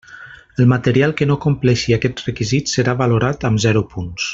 El material que no compleixi aquests requisits serà valorat amb zero punts.